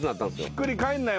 ひっくり返んない。